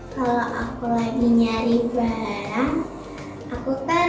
kalau aku lagi nyari barang aku taruh